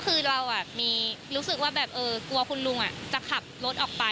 คือเรารู้สึกว่าแบบกลัวคุณลุงจะขับรถออกไป